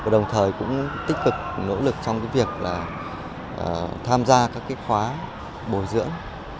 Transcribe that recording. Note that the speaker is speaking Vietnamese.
đồng thời cũng tích cực nỗ lực trong việc tham gia các khóa bồi dưỡng